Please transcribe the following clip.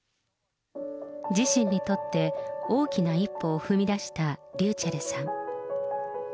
自身にとって、大きな一歩を踏み出したｒｙｕｃｈｅｌｌさん。